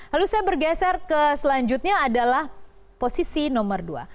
lalu saya bergeser ke selanjutnya adalah posisi nomor dua